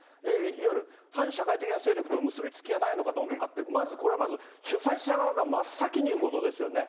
いわゆる反社会的な勢力と結び付きがないのかどうなのか、まずこれはまず主催者側が真っ先にいうことですよね。